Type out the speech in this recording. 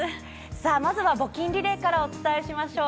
さあ、まずは募金リレーからお伝えしましょう。